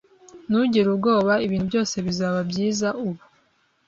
Ntugire ubwoba. Ibintu byose bizaba byiza ubu.